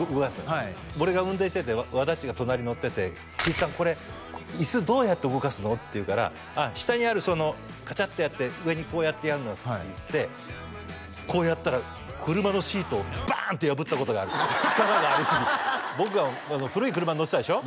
はい俺が運転してて和田っちが隣に乗ってて「貴一さんこれ」「椅子どうやって動かすの？」って言うから「ああ下にあるカチャッてやって」「上にこうやってやるんだ」って言ってこうやったら車のシートをバーンって破ったことがある力がありすぎて僕が古い車に乗ってたでしょ？